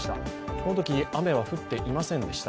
このとき雨は降っていませんでした。